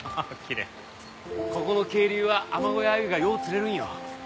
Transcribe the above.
ここの渓流はアマゴやアユがよう釣れるんよ。